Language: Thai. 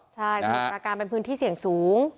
ใช่สมุทรประการเป็นพื้นที่เสี่ยงสูง